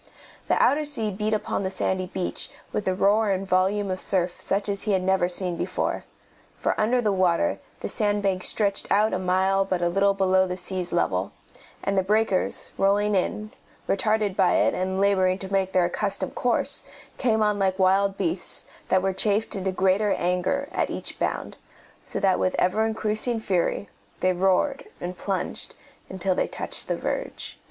The outer sea beat upon the sandy beach with a roar and volume of surf such as he had never seen before, for under the water the sand bank stretched out a mile but a little below the sea's level, and the breakers, rolling in, retarded by it and labouring to make their accustomed course, came on like wild beasts that were chafed into greater anger at each bound, so that with ever increasing fury they roared and plunged until they touched the verge.